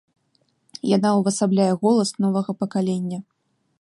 Яна увасабляе голас новага пакалення.